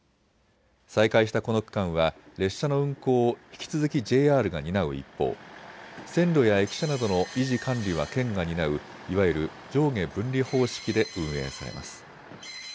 再開したこの区間は列車の運行を引き続きＪＲが担う一方、線路や駅舎などの維持管理は県が担ういわゆる上下分離方式で運営されます。